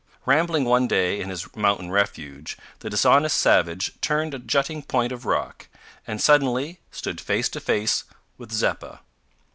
Rambling one day in his mountain refuge, the dishonest savage turned a jutting point of rock, and suddenly stood face to face with Zeppa.